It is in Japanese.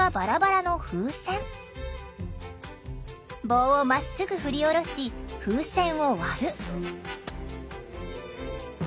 棒をまっすぐ振り下ろし風船を割る。